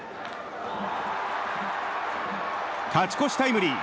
勝ち越しタイムリー！